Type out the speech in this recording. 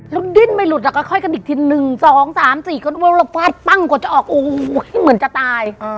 แล้วดิ้นไม่หลุดแล้วก็ค่อยกันอีกที๑๒๓๔ก็เราฟาดปั้งกว่าจะออกโอ้โหเหมือนจะตาย